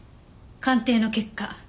鑑定の結果